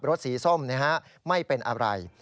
รถสีส้มเนี่ยฮะไม่เป็นอะไร